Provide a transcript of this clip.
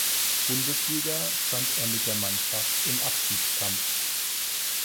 Bundesliga stand er mit der Mannschaft im Abstiegskampf.